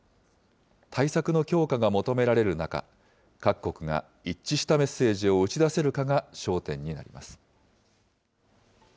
対策の強化が求められる中、各国が一致したメッセージを打ち出せるかが焦点になります。